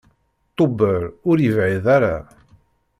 Tubeṛ ur yebɛid ara.